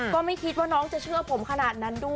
ก็ไม่คิดว่าน้องจะเชื่อผมขนาดนั้นด้วย